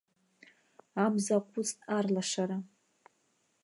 Амза аҟәыҵт арлашара.